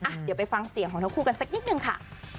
เดี๋ยวไปฟังเสียงของทั้งคู่กันสักนิดนึงค่ะ